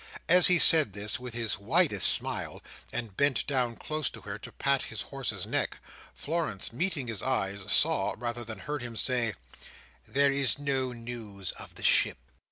As he said this with his widest smile, and bent down close to her to pat his horse's neck, Florence meeting his eyes, saw, rather than heard him say, "There is no news of the ship!"